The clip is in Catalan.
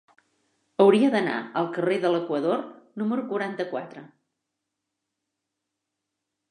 Hauria d'anar al carrer de l'Equador número quaranta-quatre.